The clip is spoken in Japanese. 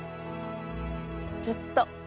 ずっと。